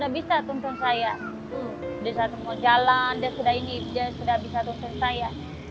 dari saat mau jalan dia sudah bisa tuntun saya